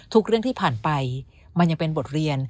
ทุกเรื่องที่ผ่านไปมันยังเป็นบทเรียน